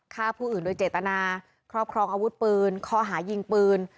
ฆ่าผู้อื่นโดยเจตนาครอบครองอาวุธปืนข้อหายิงปืน